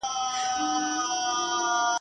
خدای ورکړی وو کمال په تول تللی ..